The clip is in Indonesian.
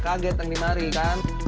kaget yang dimari kan